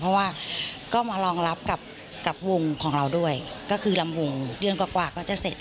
เพราะว่าก็มารองรับกับวงของเราด้วยก็คือลำวงเดือนกว่าก็จะเสร็จ